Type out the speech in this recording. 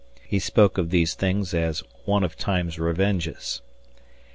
He spoke of these things as "one of Time's revenges."